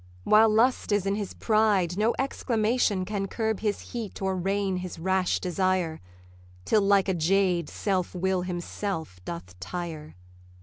While Lust is in his pride, no exclamation Can curb his heat or rein his rash desire, Till like a jade Self will himself doth tire.